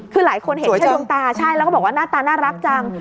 คือหลายคนเห็นแค่ดวงตาใช่แล้วก็บอกว่าหน้าตาน่ารักจัง